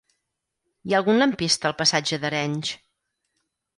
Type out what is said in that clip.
Hi ha algun lampista al passatge d'Arenys?